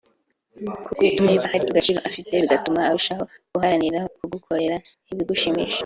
kuko bituma yumva hari agaciro afite bigatuma arushaho guharanira kugukorera ibigushimisha